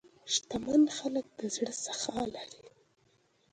شتمن خلک د زړه سخا لري.